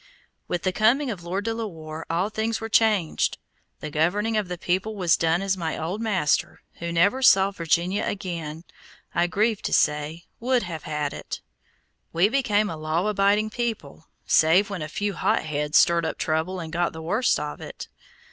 With the coming of Lord De la Warr all things were changed. The governing of the people was done as my old master, who never saw Virginia again, I grieve to say, would have had it. We became a law abiding people, save when a few hotheads stirred up trouble and got the worst of it.